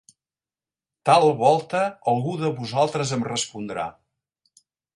Tal volta algú de vosaltres em respondrà